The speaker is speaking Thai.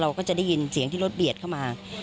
ก็จะได้ยินเสียงที่รถเบียดเข้ามา